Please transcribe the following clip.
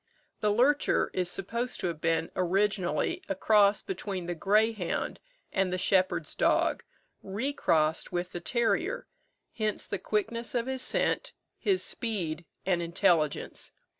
The lurcher is supposed to have been originally a cross between the greyhound and the shepherd's dog, re crossed with the terrier; hence the quickness of his scent, his speed, and intelligence.